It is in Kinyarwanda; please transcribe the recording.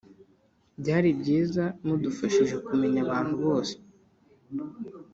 byari byiza mudufashije kumenya abantu bose